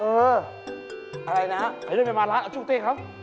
เอออะไรนะครับใครยังไม่มาร้านเอาชุดเต้นครับ